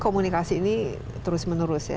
komunikasi ini terus menerus ya